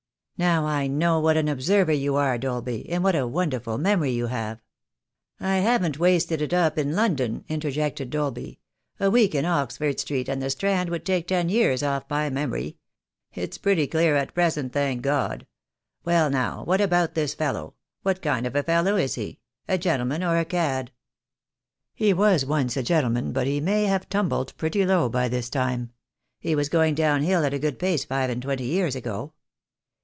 Now, I know what an observer you are, Dolby, and what a wonderful memory you have " "I haven't wasted it up in London," interjected Dolby. "A week in Oxford Street and the Strand would take 174 THE DAY WILL come. ten years off my memory. It's pretty clear at present, thank God. Well, now, what about this fellow, what kind of a fellow is he — a gentleman or a cad?" "He was once a gentleman, but he may have tumbled pretty low by this time. He was going down hill at a good pace five and twenty years ago."